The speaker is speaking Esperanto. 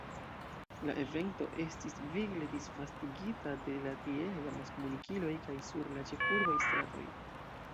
La evento estis vigle disvastigita de la tieaj amaskomunikiloj kaj sur la ĉefurbaj stratoj.